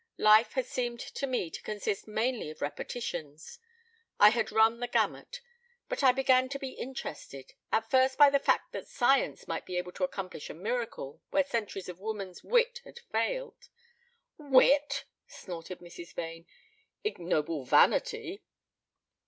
Life had seemed to me to consist mainly of repetitions. I had run the gamut. But I began to be interested, at first by the fact that science might be able to accomplish a miracle where centuries of woman's wit had failed " "Wit?" snorted Mrs. Vane. "Ignoble vanity."